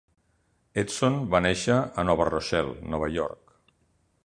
Edson va néixer a Nova Rochelle, Nova York.